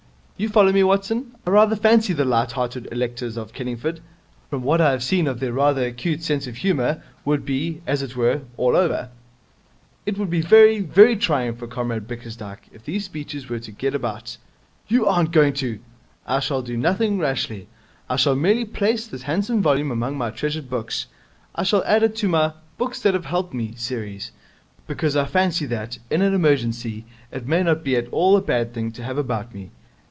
You follow me, Watson? I rather fancy the light hearted electors of Kenningford, from what I have seen of their rather acute sense of humour, would be, as it were, all over it. It would be very, very trying for Comrade Bickersdyke if these speeches of his were to get about.' 'You aren't going to !' 'I shall do nothing rashly. I shall merely place this handsome volume among my treasured books. I shall add it to my "Books that have helped me" series. Because I fancy that, in an emergency, it may not be at all a bad thing to have about me.